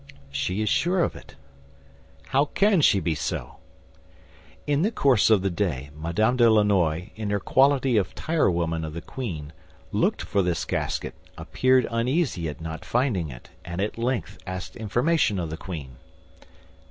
"She is sure of it." "How can she be so?" "In the course of the day Madame de Lannoy, in her quality of tire woman of the queen, looked for this casket, appeared uneasy at not finding it, and at length asked information of the queen."